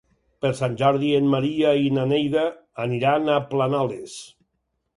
Per Sant Jordi en Maria i na Neida aniran a Planoles.